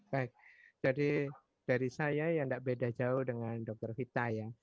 baik jadi dari saya ya tidak beda jauh dengan dokter vita ya